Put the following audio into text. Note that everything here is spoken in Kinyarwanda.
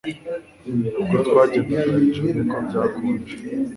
Uko twagendaga hejuru niko byakonje